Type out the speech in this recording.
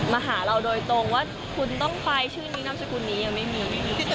มาหาเราโดยตรงว่าคุณต้องไปชื่อนิดนครชุดนนี้ยังไม่มี